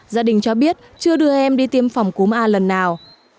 gia đình cho biết chưa đưa em đi tiêm phòng cúm a lần nào